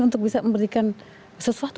untuk bisa memberikan sesuatu